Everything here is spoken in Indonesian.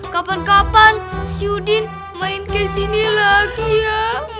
kapan kapan si udin main kesini lagi ya